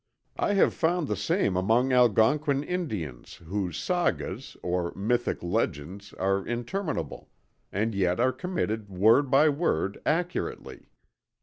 I have found the same among Algonquin Indians whose sagas or mythic legends are interminable, and yet are committed word by word accurately.